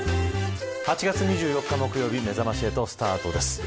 ８月２４日木曜日めざまし８スタートです。